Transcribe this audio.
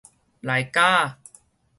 內䘥仔